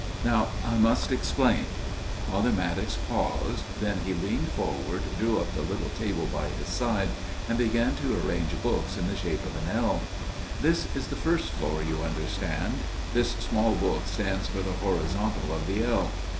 " Now I must explain." Father Maddox paused ; then he leaned forward, drew up the little table by his side, and began to arrange books in the shape of an L. " This is the first floor, you understand. This small book stands for the horizontal of the L.